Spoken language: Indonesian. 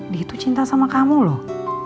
dia itu cinta sama kamu loh